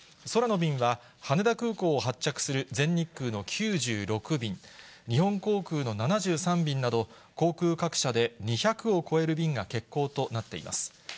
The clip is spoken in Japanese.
空の便は、羽田空港を発着する、全日空の９６便、日本航空の７３便など航空各社で２００を超える便が欠航となっています。